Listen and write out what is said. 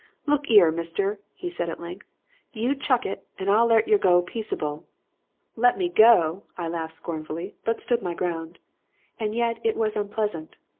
"'Look 'ere, mister,' he said at length, 'you chuck it and I'll let yer go peaceable.' "Let me go! I laughed scornfully, but stood my ground. And yet it was unpleasant.